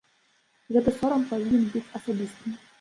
Гэты сорам павінен быць асабістым.